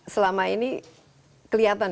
selama ini kelihatan